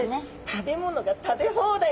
食べ物が食べ放題！